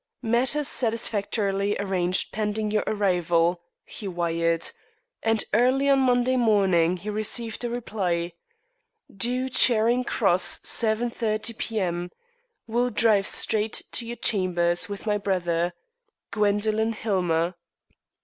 "Matters satisfactorily arranged pending your arrival," he wired, and early on Monday morning he received a reply: "Due Charing Cross 7.30 P.M. Will drive straight to your chambers with my brother. "GWENDOLINE HILLMER."